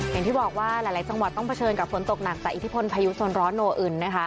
อย่างที่บอกว่าหลายจังหวัดต้องเผชิญกับฝนตกหนักจากอิทธิพลพายุโซนร้อนโนอึนนะคะ